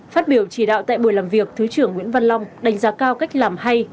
phát biểu chỉ đạo tại buổi làm việc thứ trưởng nguyễn văn long đánh giá cao cách làm hay